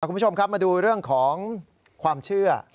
คุณผู้ชมครับมาดูเรื่องของความเชื่อ